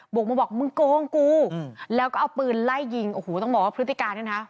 กมาบอกมึงโกงกูแล้วก็เอาปืนไล่ยิงโอ้โหต้องบอกว่าพฤติการเนี่ยนะ